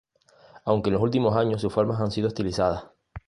Aunque en los últimos años sus formas han sido estilizadas.